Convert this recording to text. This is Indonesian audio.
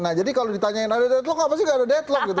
nah jadi kalau ditanyain ada deadlock apa sih gak ada deadlock gitu